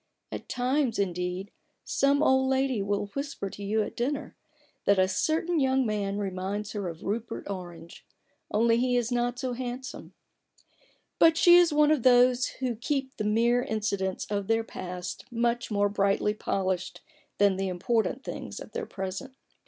At times, indeed, some old lady will whisper to you at dinner, that a certain young man reminds her of Rupert Orange, only he is not so handsome ; but she is one of those who keep the mere incidents of their past much 4 A BOOK OF BARGAINS. more brightly polished than the important things of their present.